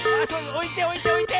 おいておいておいて！